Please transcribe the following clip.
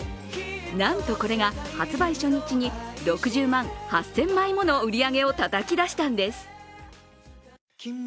なんと、これが発売初日に６０万８０００枚もの売り上げをたたき出したんです。